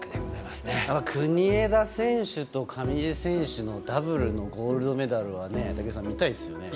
国枝選手と上地選手のダブルのゴールドメダルは見たいですよね。